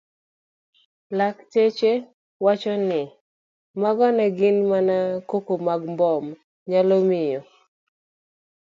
Lakteche wacho ni mago ne gin mana koko mag mbom nyalo miyo